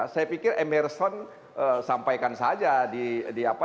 saya pikir emerson sampaikan saja